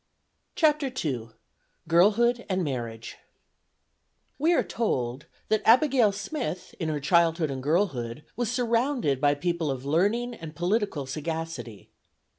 CHAPTER II GIRLHOOD AND MARRIAGE WE are told that Abigail Smith in her childhood and girlhood was "surrounded by people of learning and political sagacity."